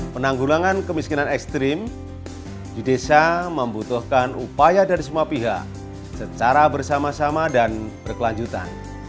penanggulangan kemiskinan ekstrim di desa membutuhkan upaya dari semua pihak secara bersama sama dan berkelanjutan